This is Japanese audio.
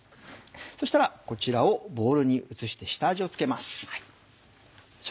そうしたらこちらをボウルに移して下味を付けます。